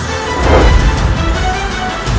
aku akan mencari dia